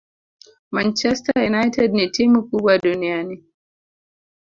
Manchester United ni timu kubwa duniani